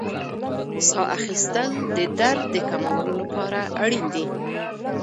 ساه اخیستل د درد د کمولو لپاره اړین دي.